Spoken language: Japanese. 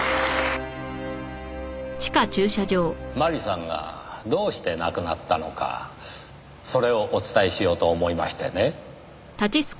麻里さんがどうして亡くなったのかそれをお伝えしようと思いましてね。